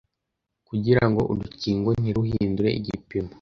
kugira ngo urukingo ntiruhindure igipimo